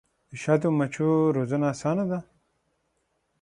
د شاتو مچیو روزنه اسانه ده؟